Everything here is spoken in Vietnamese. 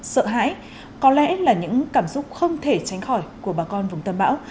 sợ hãi có lẽ là những cảm xúc không thể tránh khỏi của bà con vùng tâm bão